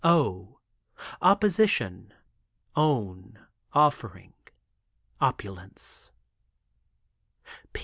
O — Opposition — Own — Offering — Opulence.